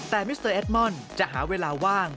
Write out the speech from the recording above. แต่มิสเตอร์เอดมอนจะหาเวลาว่าง